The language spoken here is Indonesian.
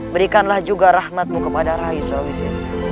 berikanlah juga rahmatmu kepada raih sulawesi esa